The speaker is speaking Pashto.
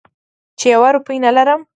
چې یوه روپۍ نه لرم.